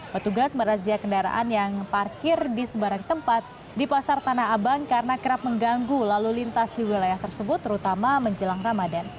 petugas merazia kendaraan yang parkir di sebarang tempat di pasar tanah abang karena kerap mengganggu lalu lintas di wilayah tersebut terutama menjelang ramadan